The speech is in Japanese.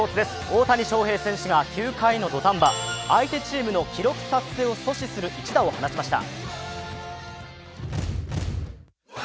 大谷翔平選手が９回の土壇場、相手チームの記録達成を阻止する一打を放ちました。